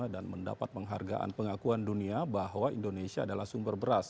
dan mendapat penghargaan pengakuan dunia bahwa indonesia adalah sumber beras